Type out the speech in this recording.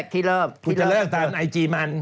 พูดจะเลิกตามไอจีมัน